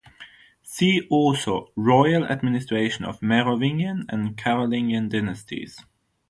See also Royal Administration of Merovingian and Carolingian Dynasties.